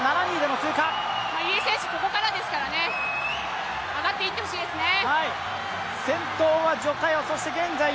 入江選手、ここからですからね、上がっていって欲しいですね。